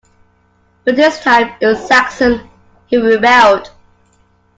But this time it was Saxon who rebelled.